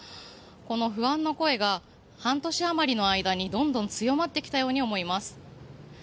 この不安の声が半年あまりの間にどんどん強まってきたように思います。